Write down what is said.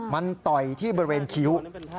มันต่อยที่บริเวณคิ้ว